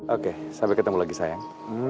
oke sampai ketemu lagi sayang